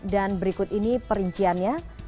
dan berikut ini perinciannya